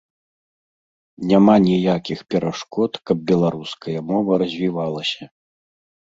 Няма ніякіх перашкод, каб беларуская мова развівалася.